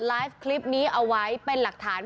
ไลฟ์คลิปนี้เอาไว้เป็นหลักฐาน